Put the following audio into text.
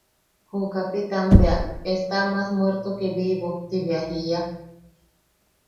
Ju kapitan bea: –Está más muerto que vivo, ti bea jiia.